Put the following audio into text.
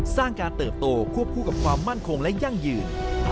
สร้างการเติบโตควบคู่กับความมั่นคงและยั่งยืน